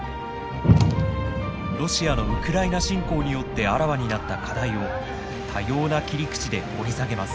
ロシアのウクライナ侵攻によってあらわになった課題を多様な切り口で掘り下げます。